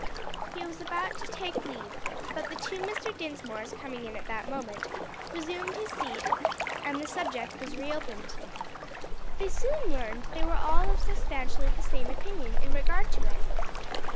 He was about to take leave, but, the two Mr. Dinsmores coming in at that moment, resumed his seat, and the subject was reopened. They soon learned that they were all of substantially the same opinion in regard to it.